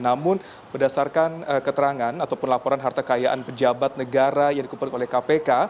namun berdasarkan keterangan ataupun laporan harta kekayaan pejabat negara yang dikumpulkan oleh kpk